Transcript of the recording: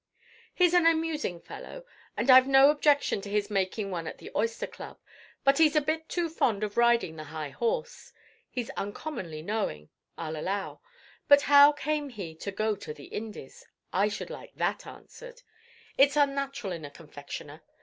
"He's an amusing fellow; and I've no objection to his making one at the Oyster Club; but he's a bit too fond of riding the high horse. He's uncommonly knowing, I'll allow; but how came he to go to the Indies? I should like that answered. It's unnatural in a confectioner.